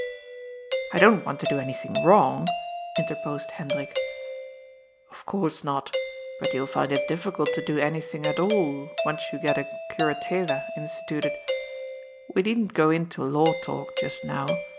" I don't want to do anything wrong," interpoied Hen drik. HENDRIK'S TEMPTATION. 12T Of course not, but you will find it difficult to do >any thing at all, once you get a 'curatela' instituted. We needn't go into law talk just now.